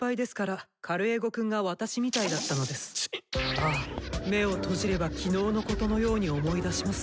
ああ目を閉じれば昨日のことのように思い出します。